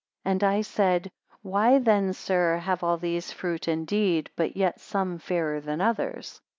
234 And I said, Why then, sir, have all these fruit indeed, but yet some fairer than others?